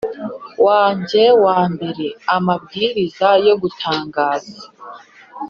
wanjye wa mbere amabwiriza yo gutangaza